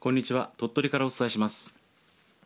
鳥取からお伝えします。